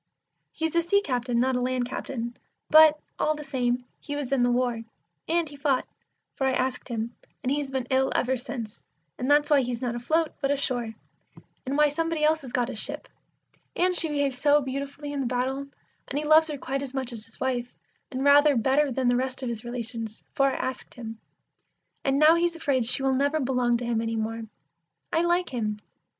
He's a sea captain, not a land captain, but, all the same, he was in the war, And he fought, for I asked him, and he's been ill ever since, and that's why he's not afloat, but ashore; And why somebody else has got his ship; and she behaved so beautifully in the battle, and he loves her quite as much as his wife, and rather better than the rest of his relations, for I asked him; and now he's afraid she will never belong to him any more. I like him.